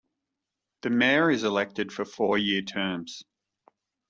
The Mayor is elected for four-year terms.